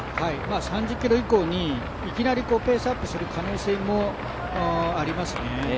３０ｋｍ以降にいきなりペースアップする可能性もあります。